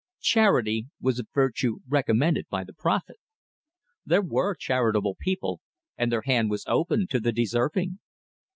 Charity was a virtue recommended by the Prophet. There were charitable people, and their hand was open to the deserving.